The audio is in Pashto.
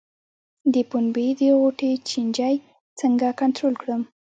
د پنبې د غوټې چینجی څنګه کنټرول کړم؟